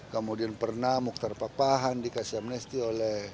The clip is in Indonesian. kemudian pernah mukhtar papahan dikasih amnesti oleh